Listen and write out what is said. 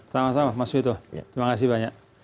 sama sama mas wito terima kasih banyak